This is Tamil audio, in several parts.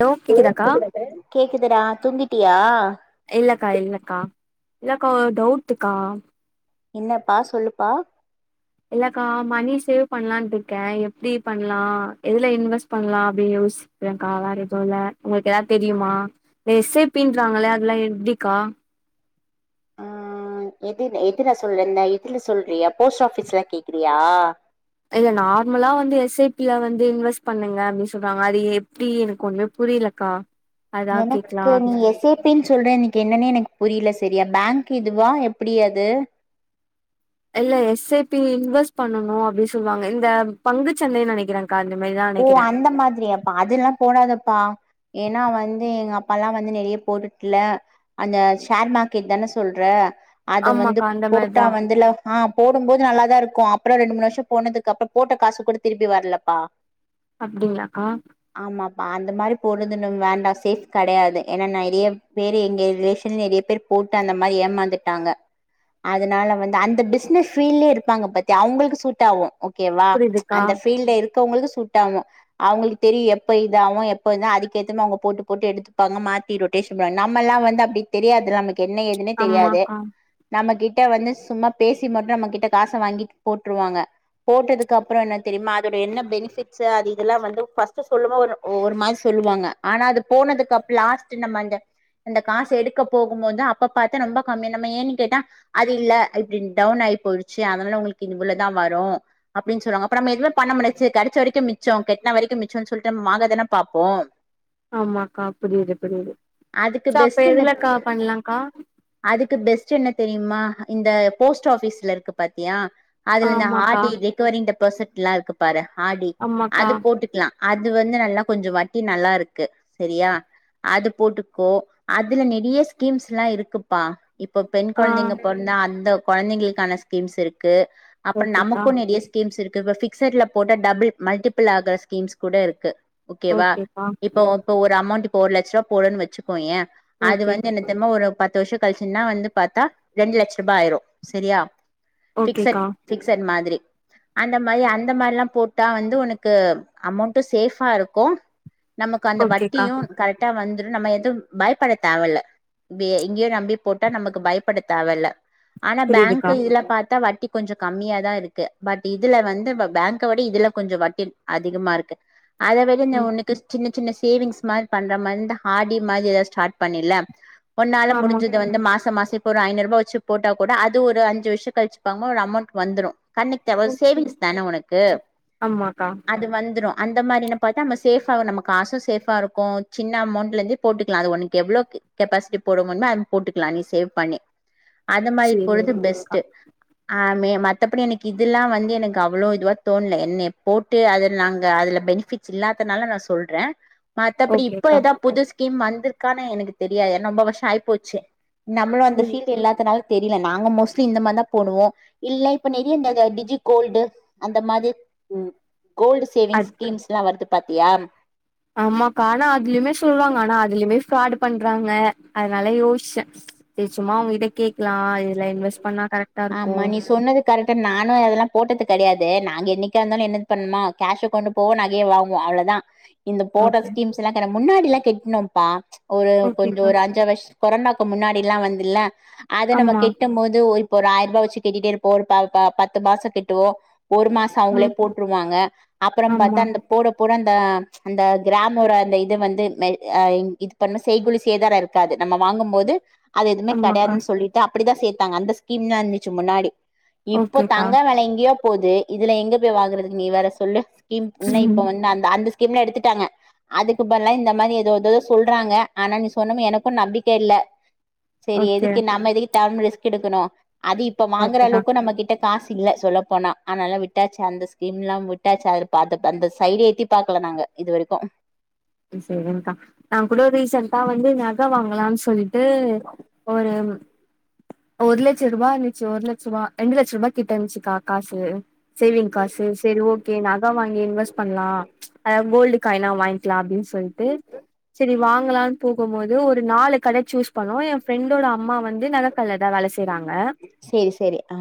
ஹலோ கேக்குதாக்கா கேக்குதுடா கே கேக்குதுடா தூங்கிட்டியா இல்லக்கா இல்லக்கா இல்லக்கா ஒ டவுட்டுக்கா என்னப்பா சொல்லுப்பா இல்லக்கா மணி சேவ் பண்லான்ட்டு இருக்கே எப்டி பண்லா எதுல இன்வெஸ்ட் பண்லா அப்டி யோசிக்கிறேக்கா வேற எதுவு இல்ல உங்களுக்கு எதாவது தெரியுமா இந்த எஸ் ஐ பி ன்றாங்களே அதெல்லா எப்டிக்கா ஆ எதுல எதுடா சொல்ற ந்த இதுல சொல்றியா போஸ்ட் ஆஃபீஸ்ல கேக்றியா இல்ல நார்மலா வந்து எஸ் ஐ பி ல வந்து இன்வெஸ்ட் பண்ணுங்க அப்டின்னு சொல்றாங்க அது எப்டி எனக்கு ஒன்மே புரிலக்கா எனக்கு நீ எஸ் ஐ பி னு சொல்ற எனிக்கு என்னன்னே எனக்கு புரியல செரியா பேங்க் கு இதுவா எப்டி அது இல்ல எஸ் ஐ பி இன்வெஸ்ட் பண்ணனு அப்டி சொல்வாங்க இந்த பங்குச்சந்தை நெனைக்கிற ஓ அந்த மாதிரியாப்பா அதுல்லா போடாதப்பா ஏனா வந்து எங்க அப் ப்பால்லா வந்து நெறய போட்டுட்டுல அந்த ஷேர் மார்க்கெட் தானே சொல்ற அது வந்து ஆமாக்கா அந்த போட்டா மாரிதா வந்துல ஆ போடும்போது நல்லாதா இருக்கு அப் ப்புறொ ரெண்டு மூணு வருஷொ போனதுக்கப்பறொ போட்ட காசு கூட திருப்பி வரலப்பா அப்டிங்களாக்கா பா அந்த மாரி போட்றதுன்னு வேண்டா சேஃப் கெடயாது ஏன்னா நெறிய பேரு எங்க ரிலேஷன் நெறிய பேரு போட்டு அந்த மாரி ஏமாந்துட்டாங்க அதனால வந்து அந்த பிஸ்னஸ் ஃபீல்லியே இருப்பாங்க பாத்தியா அவுங்களுக்கு சூட் ஆவு ஓகேவா ச்ச் புரியுதுக்கா அந்த ஃபீல்ட இருக் போ அவ்ங்களுக்கு சூட் டாவு அவுங்களுக் தெரியு எப்ப இதாவு எப்ப இ அதுக்கேத்தமா அவுங்க போட்டு போட்டு எடுத்துப்பாங்க மாத்தி ரொட்டேஷன் பண் நம்மல்லா வந்து அப்டி தெரியாது நமக் என்ன ஏதுன்னே தெரியாது ஆமாக்கா நம்ம கிட் ட வந்து சும்மா பேசி மட்டு நம்ம கிட்ட காச வாங்கி போட்ருவாங்க போட்டதுக்கு அப்பறோ என்ன தெரியுமா அதோட என்ன பெனிஃபிட் ட்ஸுஅது இதெல்லா வந்து பஸ்ட்டு சொல்லு போ ஒரு ஒ ஒரு மாரி சொல்லுவாங்க ஆனா அது போனதுக்கு அப் லாஸ்ட்டு நம்ம அந்த அந்த காசு எடுக்க போகும்மோது அப்ப பாத்து ரொம்ப கம்மி நம்ப ஏன்னு கேட்டா அது இல்ல இப்டி டவுன் ஆகி போய்டுச்சு அதனால உங்குளுக்கு இவ்ளோதா வரோ அப்டின் சொல்லவாங்க அப்ப நம்ம எதுமே பண்ண முடியாச்சு கெடச்ச வரிக் கோ மிச்சோ கெட்ன வரிக்கு மிச்சோன் சொல்ட்டு வாங்க தான பாப்போ ஆமாக்கா புரியுது புரியுது அதுக்கு சோ அப்ப பெஸ்ட் என்ன எதுலக்கா பண்லாக்கா அதுக்கு பெஸ்ட் என்ன தெரியுமா இந்த போஸ்ட் ஆஃபீஸ்ல இருக்கு பாத்தியா அதுல இந்த ஆர் ஆமாக்கா டி ரெக்குவரிங் டெப் பாசிட் ல்லா இருக்கு பாரு ஆர் டி ஆமாக்கா அது போட்டுக்லா அது வந்து நல்லா கொஞ்ச வட்டி நல்லா இருக்கு சேரியா அது போட்டுக்கோ அதுல நெறிய ஸ்கீம்ஸ் லா இருக்குப்பா இப்போ பெண் ஆ கொழந்தைங்க பொற்ந்தா அந்த கொழந்தங்களுக்கான ஸ்கீம்ஸ் இருக்கு அப்ற ஓகேக்கா நமக்கு நெறிய ஸ்கீம்ஸ் இருக் இப்ப ஃபிக்சட்ல போட்டா டபுள் மல்டிபிள் ஆகுற ஸ்கீம்ஸ் கூட இருக்கு ஓகேவா ஓகேக்கா இப்போ இப்போ ஒரு அமௌண்ட் இப்போ ஒரு லட்ச்வ்ரா போட்றன் வச்சுக் கோயே ஏ அது ஓகே வந்து என்ன தெர்மா ஒரு பத் து வர்ஷோ கழிச்சுன்னா வந்து பாத்தா ரெண்டு லட்ச்ருபா ஆயிரு சேரியா பிக்சட் ஓகேக்கா பிக்சட் மாதிரி அந்த மாரி அந்த மாரி லா போட் டா வந்து உனக்கு அமௌண்ட்டு சேஃபா இருக்கு நமக்கு அந்த ஓகேக்கா வட்டியு கரெக்டா வந்துரு நம்ம எதும் பயப்பட தேவல்ல [unintelligible] நம்பி போட்டா நமக்கு பயப்பட தேவல்ல ஆனா புரியுதுக்கா பேங்க்கு இதுல பாத்தா வட்டிக் கொஞ்சோ கம்மியா தா இருக்கு பட் இதுல வந்து வ பேங்க விட இதுல கொஞ்சோ வட்டி அதிகமா ருக்கு அத விட நா ம் உனக்கு சின்ன சின்ன சேவிங்ஸ் மா பண்ற மா இந்த ஆர். டி மாரி எதது ஸ்டாட் பண்ணில ஒன்னால ஆமா முடிஞ்சத வந்து மாச மாச இப்ப ஒரு ஐனூருபா வெச்சி போட்டா கூட அது ஒரு அஞ்சு வர்ஷோ கழிச்சி பாக்கும் போது ஒரு அமௌண்ட் வந்துறு கண்ணேக்கவர்ஸ் ஓகே சேவிங்ஸ் தான உனக்கு ஆமாக்கா அது வந்துரு அந்த மாரி ந பாத்தா நம்ம சேஃபாவா நம்ம காசு சேஃபாருக்கு சின்ன அமௌண்ட்லந்து போட்டுக்கலா அது உனக்கு எவ்ளோக்கு கேப்பேசிடி போட முடியுமோ போட்டுகலா நீ சேவ்ப் பண்ணி அத மாரி சேரி போறது ஓகேக்கா பெஸ்ட்டு அ ஆமே மத்தபடி எனக்கு இதுல்லா வந்து எனக்கு அவ்ளோ இதுவா தோண்லே என்னிய போட்டு அதுல நாங்க அதுல பெனிபிட்ஸ் இல்லாதனால நா சொல்ற மத்தபடி இப்ப ஓகேக்கா ஏதாவத் புதுசு கீம் வந்திருக்கான்னு எனக்கு தெரியாது ஏன்னா ரொம்ப வர்ஷோ ஆய்ப்போச்சி நம்மளு அந்த ம் ஃபீல்டு இல்லாதனால் தெரில நாங்க மோஸ்ட்லி இந்த மாரிதா போடுவோ இல்ல இப்ப நெறிய இந்த டிஜி கோல்டு அந்த மாதிர் ம் கோல்டு சேவிங் அத் ஸ்கீம்ஸ்லா வருதுப் பாத்தியாம் ஆமாக்கா ஆனா அதுலயுமே சொல்வாங்க ஆனா அதுலயுமே ஃபிராடு பண்றாங்க அதனால யோசிச்ச செரி சும்மா உங்கிட்ட கேட்கலா இதெல்லா இன்வெஸ்ட் பண்ணா கரெக்டா இருக்கு ஆமா நீ சொன்னது கரெக்டு நானே அதெல்லா போட்டது கெடையாது நாங்க என்னைக்காருந்தாலு என்னது பண்ணுமா கேஷ கொண்டு போவோ நாகேய வாங்குவோ அவ்ளதா இந்த போட ஓகே ஸ்கீம்ஸ்லா கெட முன்னாடிலா கெட்னோம்பா ஒரு கொஞ்சோ ஓகேக்கா ஒரு அஞ்சாறு வர்ஷ் கொரோனாக்கு முன்னாடிலா வந்துல அத நம்ம ஆமா கெட்டும் போது ஒரு ஒரு ஆயிர்ருபா வெச்சி கெட்டிட்டேருப்போ ஒரு ப ப பத்து மாசோ‌ கெட்டுவோ ஒரு மாசம் அவங்களே ம் போட்ருவாங்க அப்புறம் ஆமா பார்த்தா அந்த போட போட அந் அ ம்ச் அந்த கிராமோட அந்த இது வந்து கிராம்இது பண்ண செய்குலி செய்தார இருக்காது நம்ம வாங்கும்போது அது எதுமே ஆமாக்கா கிடையாதுன்னு சொல்லிட்டு அப்படிதான் சேத்தாங்க அந்த கின்னம் இருந்துச்சி முன்னாடி இப்போ ஓகேக்கா தங்க வில எங்கயோ போது இதுல எங்க போய் வாங்கறதுக்கு நீ சொல்லு இப்ப ம் வந்து அந்த அந்த டீம்ல எடுத்துட்டாங்க அதுக்கு பற்லா இந்த மாரி எதோ எததோ சொல்றாங்க ஆனா நீ சொன்ன எனக்கு நம்பிக்க இல்ல சரி ஓகே எதுக்கு நம்ம எதுக்கு தேவ இல்லாம ரிஸ்க் எடுக்கணும் அது இப்ப வாங்கற கரெக்ட் தா அளவுக்கு நம்ப கிட்ட காசு இல்ல சொல்ல போனா ஆனால விட்டாச்சு அந்த ஸ்கிம் லாம் விட்டாச்சு அத அந்த சைட எட்டி பாக்கல நாங்க இது வரைக்கு சரி்ங்கா நான் கூட ரீசன்ட்டா வந்து நகை வாங்கலாம்னு சொல்லிட்டு ஒரு ஒரு லட்சம் ரூபா இருந்துச்சு ஒரு லட்சம் ரூபா ரெண்டு லட்சம் ரூபாய கிட்ட இருந்துச்சுக்கா காசு சேவிங் காசு சரி ஓக்கே நான் அதான் வாங்கி இன்வெஸ்ட் பண்ணலா அத கோல்டு [inaudible] [inaudible] சொல்ட்டு சரி வாங்க ங்கலானு போகும்போது ஒரு நாலு கட சூஸ் பண்னோம் என் பிரெண்டோட அம்மா வந்து நகக்கல்ல தான் வேல செய்றாங்க சேரி சேரி ஆ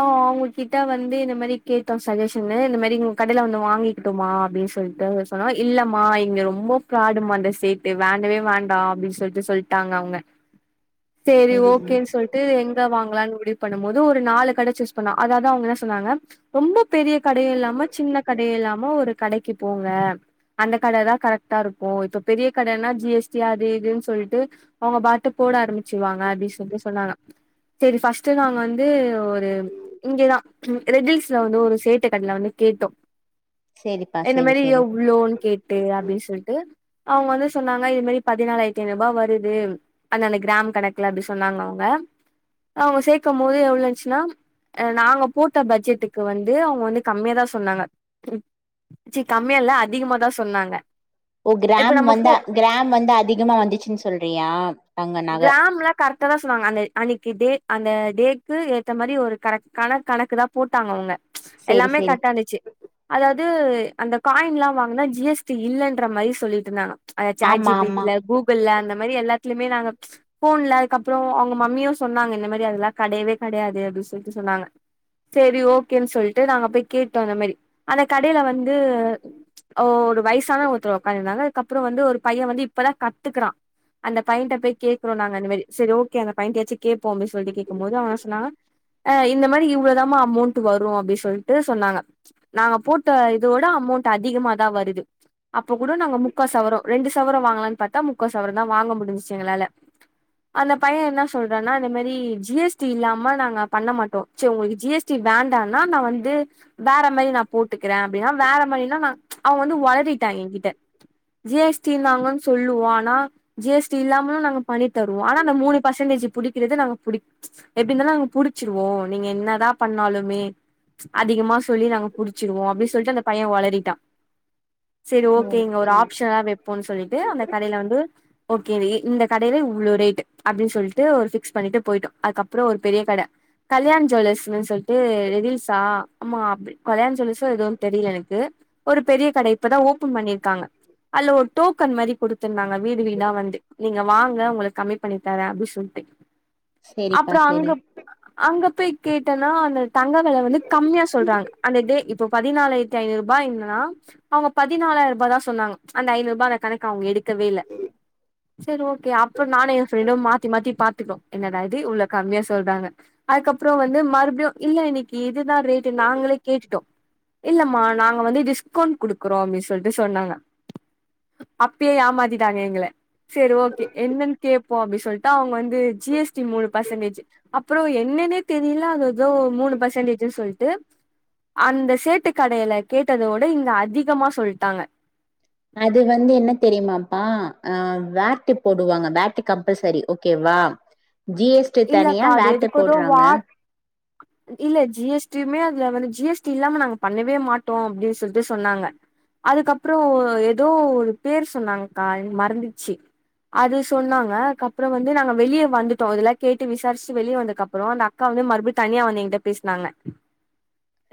ஆ அவங்க கிட்ட வந்து இந்த மாதிரி கேட்டோம் சஜஷன்னு இந்த மாதிரி கடைல வந்து வாங்கிடுமா அப்படின்னு சொல்லிட்டு அவங்க சொன்னா இல்லமா இங்க ரொம்ப ப்ராடுமா இந்த சேடடு வேண்டவே வேண்டாம் அப்படின்னு சொல்லிட்டு சொல்ட்டாங்க அவங்க சரி சேரி ஓகேன்னு சொல்லிட்டு எங்க வாங்கலான்னு முடி பண்ணும் போது ஒரு நாலு கட சூஸ் பண்னோ அதாது அவங்க என்ன சொன்னாங்க ரொம்ப பெரிய கடை இல்லாம சின்ன கடை இல்லாம ஒரு கடைக்கு போங்க அந்த கடதான் கரெக்டா இருக்கும் இப்ப பெரிய கடனா ஜிஎஸ்டி அது இதுன்னு சொல்லிட்டு அவங்க பாட்டு போட ஆரம்பிச்சிரு வாங்க அப்படின்னு சொல்லிட்டு சொன்னாங்க சரி ஃபஸ்டு நாங்க வந் து ஒரு இங்கதாரெட்டிஸ்ல வந்து ஒரு சேட்டு டர்லானு கேட்டோ சேரிப்பா என்ன சேரி மாரி சேரி எவ்ளோ அப்டனு சொல்டு அவங்க வந்து சொன்னாங்க இது மாரி பதினாலாயிரத்தி ஐனூறு ரூபாய் வருது அந்தந்த கிராம் கணக்குல அப்டி சொன்னாங்க அவுங்க அவுங்க சேர்க்கும் போது எவ்ளோ இருந்துச்சினா அ நாங்க போட்ட பட்ஜெட்டுக்கு வந்து அவங்க வந்து கம்மியா தான் சொன்னாங்க ச்சி கம்மியா இல்ல அதிகமா தான் சொன் சொன்னாங்க ஓ கிராம் வந்தா கிராம் வந்து அதிகமா வந்துச்சுன்னு சொல்றியா தங்க நக கிராம்ல கரெக்டா தா சொன்னாங்க அந்த அன்னைக்கு டே அந்த டேக்கு ஏத்த மாதிரி ஒரு கண கண கணக்கு தான் போட்டாங்க அவுங்க மச்சி சேரி எல்லாமே சேரி கரெட்டா இருந்துச்சு அதாது து அந்த காயின்லா வாங்குனா ஜி ஜிஎஸ்டி இல்லன்ற மாரி சொல்லிட்டுருந்தாங்க அது ஆமா ஆமா சேட்ஜிபீட்ல கூகுள்ல அந்த மேரி எல்லாத் துலியுமே நாங்க போன்ல அதுக்கப்புறோ‌ அவுங்க மம்மியு சொன்னாங்க இந்த மேரி அதெல்லா கடையவே கடையாது அப்டின் சொல்ட்டு சொன்னாங்க செரி ஓகேன் சொல்ட்டு நாங்க போய் கேட்டோ இந்த மேரி அந்த கடைல வந்து ஓ ஒரு வயிசான ஒருத்தர் ஒட்காந்து இருந்தாங்க அதுக்கப்புறோ வந்து ஒரு பைய வந்து இப்பதா கத்துக்கறா அந்த பையன்ட்ட போய் கேக்குறோ நாங்க இந்த மேரி செரி ஓகே அந்த பையன்கிட்டயாச்சி கேப்போ‌ அப்டின் சொல்ட்டு கேக்கும்போது அவ சொன்னா அ இந்த மரி இவ்ளோதாமா அமௌண்ட்டு வரு அப்டின் சொல்ட்டு சொன்னாங்க நாங்க போட்ட இதோட அமௌண்ட்டு அதிகமா தா வருது அப்ப கூட நாங்க முக்கா சவரோ ரெண்டு சவரோ வாங்கலான்னு பாத்தா முக்கா சவரோ தா வாங்க முடிஞ்சிச்சி எங்களால அந்த பைய என்ன சொல்றான்னா அந்த மேரி ஜிஎஸ்டி இல்லாம நாங்க பண்ண மாட்டோ சோ ஜிஎஸ்டி வேண்டனா நா வந்து வேற மேரி நா‌ போட்டுக்குற அப்டின்னா வேற மேரின்னா நா அவ வந்து வொளறிட்டா எங்கிட்ட ஜிஎஸ்டி இருந்தாங்கன் சொல்லுவோ ஆனா ஜிஎஸ்டி இல்லாமலு நாங்கப் பண்ணி தருவோ ஆனா அந்த மூணு பர்சன்டேஜ் புடிக்கிறது நாங்க புடிக் எப்டி இருந்தாலு‌ நாங்க புடிச்சிடுவோ நீங்க என்னதா பண்ணாலுமே அதிகமா ஸ் சொல்லி நாங்க புடிச்சிருவோ அப்டி சொல்ட்டு அந்த பைய உளறிட்டா சரி ஓகே இங்க ஒரு ஆப்ஷனா வெப்போன் சொல்லிட்டு அந்த கடைல வந்து ஓகே இ இந்த கடைல இவ்ளோ ரேட் அப்டின் சொல்ட்டு ஒரு பிக்ஸ் பண்ணிட்டு போயிட்டோம் அதுக்கப்புறோ ஒரு பெரிய கட கல்யாண் ஜுவல்லர்ஸ் சொல்ட்டு ரீல்ஸா ஆமா அப்ப கல்யாண் ஜுவல்லர்ஸும் எதுவு தெரில எனக்கு ஒரு பெரிய கட இப்பதா ஓபன் பண்ணிருக்காங்க அல்ல ஒரு டோக்கன் மரி கொடுத்துருந்தாங்க வீடு வீடா வந்து நீங்க வாங்க உங்ளுக்கு கம்மி பண்ணி தரே அப்டி சொல்ட்டு சேரிப்பா அப்ற அங்க சேரி அங்க பேய் கேட்ட நானு தங்க வெல வந்து கம்மியா சொல்றாங்க அந்த டே இப்ப பதினாலாயிரத்தி நூறுபா நா அவ்ங்க பதிநாலாய்ருபா தா சொன்னாங் அந்த ஐநூற்பா அந்த கணக்கவங்ங எடுக்கவே இல்ல சசெரி ஓகே அப்ப நானும் எ ஃப்ரெண்டு மாத்தி மாத்தி பாத்துக்ரோ என்னடா இது இவ்வளோ கம்மியா சொல்றாங்க அதுக்கப்றம் வந்து மறுப்டியு இல்ல இன்னிக்கி இது தா ரேட்டு நாங்களே கேட்டோ இல்ல மா நாங்க வந்து டிஸ் டிஸ்கவ்ன்ட் குடுக்குறோ அப்டின் சொல்ட்டு சொன்னாங்க அப்யே ஏமாத்திட்டாங்க எங்ள சேரி ஓகே என்னன் கேட்போ அப்டி சொல்ட்டு அவங்க வந்து ஜிஎஸ்டி மூணு பர்சன்டேஜ் அப்புறோ என்னன்னே தெரியல அது ஏதோ மூணு பர்சன்டேஜ்ன்னு சொல்ட்டு அந்த சேட்டு கடைல கேட்டதோட டே இங்க அதிகமா சொல்ட்டாங்க அ வேட்டி போடுவாங்க வேட்டி கம்ப்பல்சரி ஓகேவா ஜிஎஸ்டி தனியா இல்லக்கா அது வேட்ட எதுக்கு ஏதோ போடுறாங்க வா இல்ல ஜிஎஸ்டியுமே அதுல வந்து ஜிஎஸ்டி இல்லாம நாங்க பண்ணவே மாட்டோ அப்டி சொல்ட்டு சொன்னாங்க அதுக்கப்றோ எதோ ஒரு பேர் சொன்னாங்கா மறந்துச்சி அது சொன்னாங்க அதுக்கப்புறம் வந்து நாங்க வெளியே வந்துட்டோ இதல்லா கேட்டு விசாரிச்சு வெளிய வந்ததுக்கப்புறோ அந்த அக்கா வந்து மறுபடி தனியா வந்து எங்கிட்ட பேஸ்னாங்க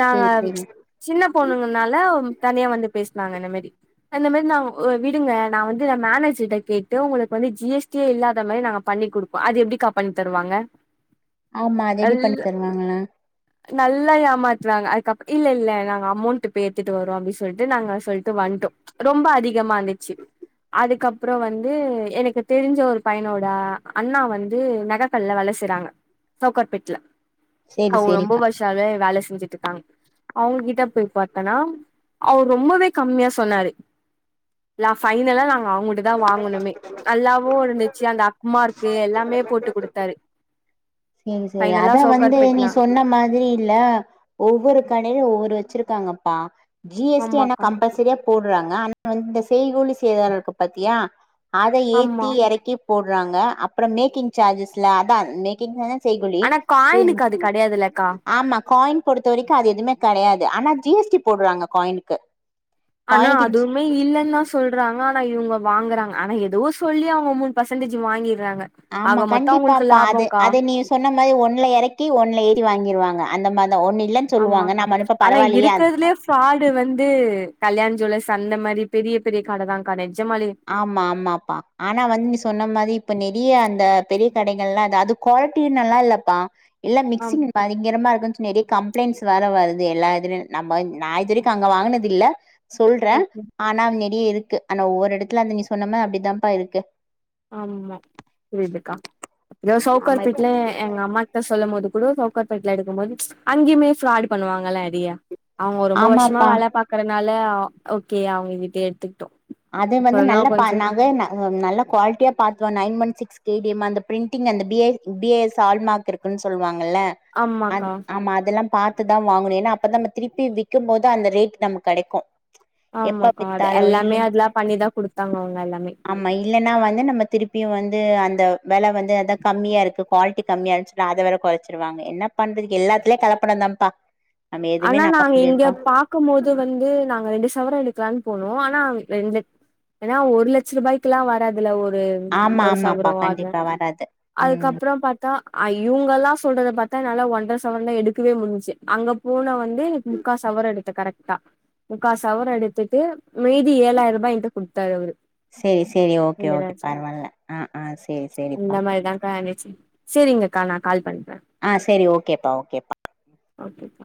நாங்க சேரி சேரி சின்ன பொண்ணுங்கனால தனியா வந்து பேசனாங்க இந்த மாரி அந்த மேரி நா விடுங்க நா வந்து மேனேஜரிட்ட கேட்டு உங்களுக்கு வந்து ஜிஎஸ்டியே இல்லாத மேரி நாங்க பண்ணி கொடுப்போ அது எப்டிக்கா பண்ணி தருவாங்க ஆமா அதெப்டி பண்ணி நல்ல தர் துவாங்கள்ல நல்லா ஏமாத்தனாங்க அதுக்கப் இல்ல இல்ல நாங்க அமௌண்ட் பேய் எத்துட்டு வரோ அப்டின் சொல்லிட்டு நாங்க சொல்ட்டு வந்டோ ரொம்ப அத் திகமா இருந்துச்சு அதுக்கப்புறோ வந்து எனக்கு தெரிஞ்ச ஒரு பையனோட அண்ணா வந்து நகக்கல்ல வளசெய்றாங்க சௌகார்பேட்ல சேரி அவ்ங்க ரொம்ப சேரிப்பா வர்ஷாமே வேல செஞ்சிட்ருக்காங்க அவ்ங்கிட்ட போய் பாத்தன்னா அவர் ரொம்பவே கம்யா சொன்னாரு ஃபைனலா நாங்க அவ்ங்குட்டுதா வாங்கணுமே நல்லாவு இருந்துச்சு அந்த அக்மார்க் கு எல்லாமே போட்டுக் குடுத்தாரு சேரி சேரி ஃபைனலா அதா வந் து நீ சோக்கார்பேட்ல சொன்ன மாதுரி இல்ல ஒவ்வொரு கடைல ஒவ்வொரு வச்சிருக்கா அங்கப்பா ஜிஎஸ்டி ஆனா ஆமாக்கா கம்ப்பல்சரியா போட்றாங்க ஆனா வந்து தஸ் செய்கூலி சேதார இருக்கு பாத்தியா அத ஏத்தி ஆமா எறக்கி போடுறாங்க அப்புறோ மேக்கிங் சார்ஜஸ்ல அதான் மே கிங்கு செய்கூலி ஆனா காயினுக்கு அது கெடையாதுல்லக்கா ஆமா காயின் பொறுத்த வரைக்கும் அது எதுவுமே கெடையாது ஆனா ஜி எஸ் டி போடுறாங்க காயினுக்கு ஆனா காயினுக்கு ஜி அதுவுமே இல்லன் தான் சொல்றாங்க னா இவேங்க வாங்குறாங்க ஆனா ஏதோ சொல்லி அவுங்க மூணு பர்சன்டேஜ் வாங்கி ஆமா கண்டிப்பாப்பா அது அத நீங்க சொன்ன மாதிரி ஒண்ணுல இறக்கி ஒண்ணுல ஏத்தி வாங்கிருவாங்க அந்த மாரி ஆமாக்கா ச்சு ஆனா இருக்குறதுலயே ஃப்ராடு வந்து கல்யாண் ஜுவல்லர்ஸ் அந்த மாரி பெரிய பெரிய கட தான் க்கா நெஜ் ஆமா ஆமாப்பா ஆனா வந்து நீ சொன்ன மாரி இப்ப நெறியா அந்த பெரிய கடைகள் எல்லா அதா இது குவாலிட்டி நல்லா இல்லப்பா எல்லா ஆம் ‌‌மிக்சி்ங் பயங்கரமா இருக்கும் நெறையா கம்ப்ளைண்ட்ஸ் வேற வருது எல்லா இதிலும் நம்ம நா இது வரைக்கும் அங்க வாங்குனது இல்ல சொல்றேன் ஓகே ஆனா நெறையா இருக் க்கு ஆனா ஒவ்வொரு இடத் த்துல நீ சொன்னம அப்டிதான்ப்பா இருக்கு ஆமா புரியுதுக்கா இதோ சவுக்கார் ஆமா பேட்ல எ எ எங்க அம்மாகிட்ட சொல்லும் போது கூடோ சவுக்கார் பேட்ல எடுக்கும் போது ச்சு அங்கேயுமே ஃப்ராட்டு பண்ணுவாங்கல்ல நெறையா அவங்கோ ரொம்ப வருஷமா ஆமாப்பா வேல பாக்குறனால் ல்ல அவ ஓகே அவுங்க கிட்டயே எடுத்துக்கிட்டோம் அத வந்து நல்ல பா நக நல் நல்ல குவாலிட்டியா பாத்துவான் nine one six K D M அந்த பிரிண்டிங் அந்த B A B A S hallmark இருக்குன்னு சொல்லுவாங் ல்லா அந் ஆமாக்கா ஆமா அதெல்லா பாத் த்துதா வாங்குணும் ஏனா அப்ப தா நம்ம திருப்பி விக்கும் போது அந்த ரேட் நமக்கு கெடைக்கு எப்ப ஆமாக்கா அது வித்தாலோ இல்ல எல்லாமே அ ஆமா இல்லைன்னா வந்து நம்ம திருப்பியும் வந் ந்து அந்த வேல வந்து அதான் கம்மியா இருக்கு குவாலிட்டி கம்மியாச்சுன்னா அத வேர குறைச்சிருவாங்க என்ன பண்றது எல்லாத்துலயும் கலப்படம் தான்ப்பா ஆனா நாங்க இங்க பாக்கும் போது வந்து நாங்க ரெண்டு சவரம் எடுக்கலானு போனும் ஆனா ரெண்டு ஏன்னா ஒரு லட்ச ரூபாய்க் எல்லா வராதுல ஒரு ஒரு ஆமா ஒரு ஆமாப்பா சவரோ அது கண்டிப்பா வராது ம் அதுக்கப்புறோ பாத்தா ஐ இவங்கல்லா சொல்றத பாத் த்தா நாலா ஒன்டர சவரன் தான் எடுக்கவே முடிஞ்ச்சு அங்க போனா வந் ந்து எனக்கு முக்கா சவர எடுத்த கரெட் ட்டா முக்காசவரோ எடுத்துட்டு மீதி ஏழாயிர ரூபா என்ட்ட குடுத்தாரு அவரு செரி செரி ஓகே ஓகே பரவால்ல அ அ செரி செரிப்பா அந்த மாதிரிதான்க்கா இருந்துச்சு செரிங்கக்கா நான் கால் பண் ஆ செரி ஓகேப்பா ஓகேப்பா ஓகேக்கா